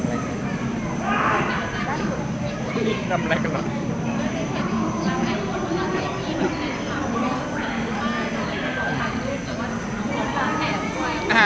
นำอะไรกันล่ะ